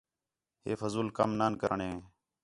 ہِے فضول کَم نان کرݨیں